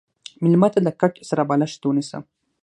مېلمه ته د کټ سره بالښت ونیسه.